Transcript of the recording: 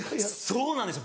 そうなんですよ。